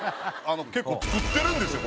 結構作ってるんですよ